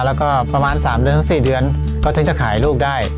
แล้วก็ประมาณ๓เดือน๔เดือนก็ถึงจะขายลูกได้